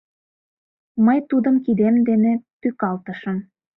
Мый тудым кидем дене тӱкалтышым.